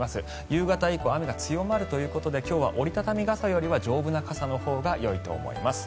夕方以降雨が強まるということで今日は折り畳み傘よりは丈夫な傘のほうがよいと思います。